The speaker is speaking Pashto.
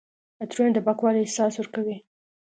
عطرونه د پاکوالي احساس ورکوي.